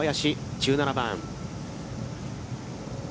１７番。